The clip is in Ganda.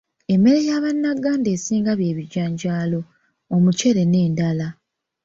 Emmere ya bannaganda esinga by'ebijanjaalo, omuceere n'endala.